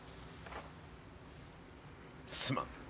すまん。